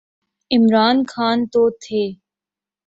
عمران خان تو تھے۔